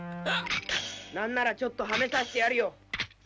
なんならちょっと、はめさせてやるよ。